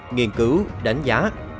nghiên cứu đánh giá